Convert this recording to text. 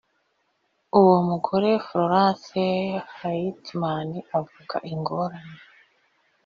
uwo mugore florence hartmann avuga ingorane